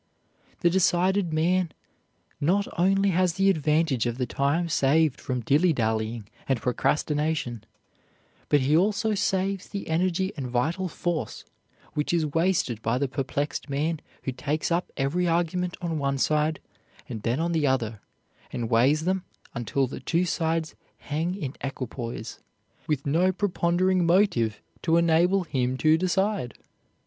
The decided man not only has the advantage of the time saved from dillydallying and procrastination, but he also saves the energy and vital force which is wasted by the perplexed man who takes up every argument on one side and then on the other, and weighs them until the two sides hang in equipoise, with no prepondering motive to enable him to decide.